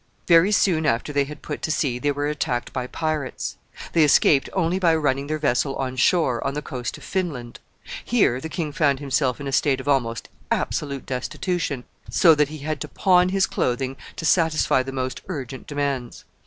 Very soon after they had put to sea they were attacked by pirates. They escaped only by running their vessel on shore on the coast of Finland. Here the king found himself in a state of almost absolute destitution, so that he had to pawn his clothing to satisfy the most urgent demands.